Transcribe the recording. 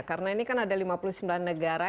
karena ini kan ada lima puluh sembilan negara